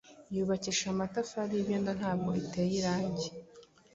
yubakishije amatafari y’ibyondo, ntabwo iteye irangi,